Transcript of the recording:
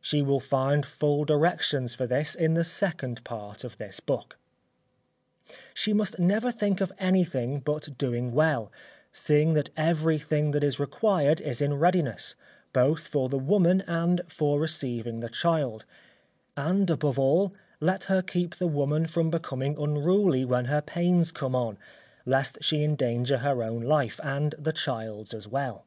She will find full directions for this, in the second part of this book. She must never think of anything but doing well, seeing that everything that is required is in readiness, both for the woman and for receiving the child, and above all, let her keep the woman from becoming unruly when her pains come on, lest she endanger her own life, and the child's as well.